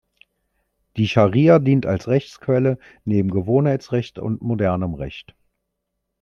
Die Schari’a dient als Rechtsquelle neben Gewohnheitsrecht und modernem Recht.